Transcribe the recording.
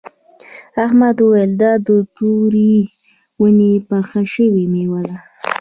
احمد وویل دا د تورې ونې پخه شوې میوه ده.